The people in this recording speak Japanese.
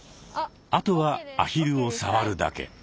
あとはアヒルを触るだけ。